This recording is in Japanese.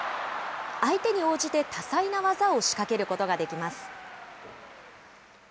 相手に応じて多彩な技を仕掛けることができます。